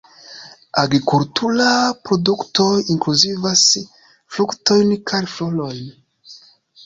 Agrikulturaj produktoj inkluzivas fruktojn kaj florojn.